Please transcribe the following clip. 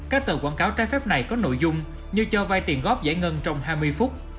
các tờ quảng cáo trái phép này có nội dung như cho vay tiền góp giải ngân trong hai mươi phút